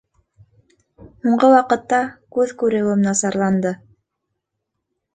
Һуңғы ваҡытта күҙ күреүем насарланды